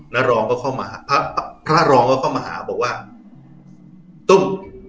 รองก็เข้ามาหาพระรองก็เข้ามาหาบอกว่าตุ้ม